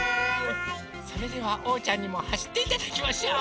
それではおうちゃんにもはしっていただきましょう！